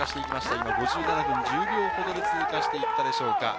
今５７分１０秒ほどで通過していったでしょうか。